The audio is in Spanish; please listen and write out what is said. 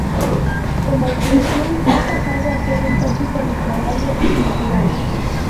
Como expresión ha pasado a ser un tópico literario y cultural.